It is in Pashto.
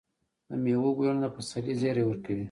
د میوو ګلونه د پسرلي زیری ورکوي.